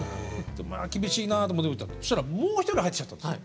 厳しいなと思ってそしたらもう一人入ってきちゃったんですよ。